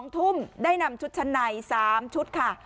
๒ทุ่มได้นำชุดชั้นใน๓ชุดค่ะ